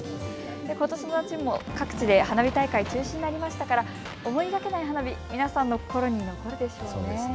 ことしの夏も各地で花火大会中止になりましたから思いがけない花火、皆さんの心に残るでしょうね。